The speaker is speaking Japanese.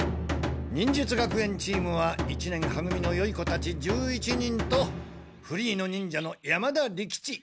忍術学園チームは一年は組のよい子たち１１人とフリーの忍者の山田利吉。